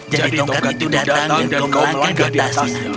jadi tongkat itu datang dan kau melangkah di atasnya